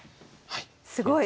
すごい！